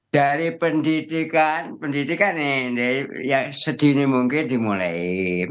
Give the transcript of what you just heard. dari pendidikan pendidikan ini sedini mungkin dimulai